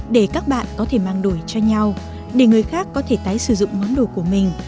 để các bạn có thể mang đổi cho nhau để người khác có thể tái sử dụng món đồ của mình